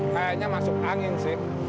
kayaknya masuk angin sih